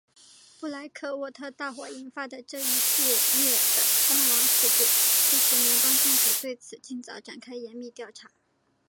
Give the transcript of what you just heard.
布莱克沃特大火引发的这一系列的伤亡事故促使联邦政府对此尽早展开严密调查。